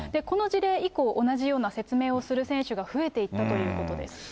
この事例以降、同じような説明をする選手が増えていったということです。